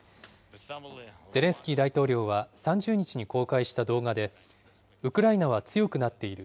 ゼレンスキー大統領は３０日に公開した動画で、ウクライナは強くなっている。